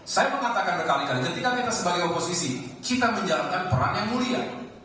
saya mengatakan berkali kali ketika kita sebagai oposisi kita menjalankan peran yang mulia